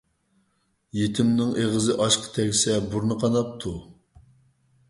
يېتىمنىڭ ئېغىزى ئاشقا تەگسە بۇرنى قاناپتۇ.